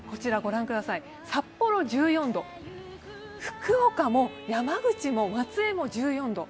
札幌１４度、福岡も山口も松江も１４度。